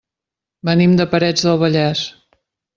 Venim de Parets del Vallès.